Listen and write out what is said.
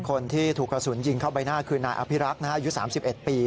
คนที่ถูกกระสุนยิงเข้าใบหน้าคือนายอภิรักษ์อายุ๓๑ปี